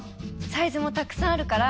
サイズもたくさんあるから。